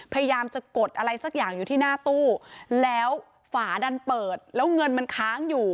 พยายามจะกดอะไรสักอย่างอยู่ที่หน้าตู้แล้วฝาดันเปิดแล้วเงินมันค้างอยู่